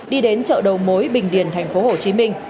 đi đến chợ đầu mối bình điền thành phố hồ chí minh